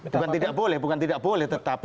bukan tidak boleh bukan tidak boleh tetapi